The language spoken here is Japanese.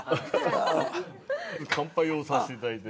乾杯をさせていただいて。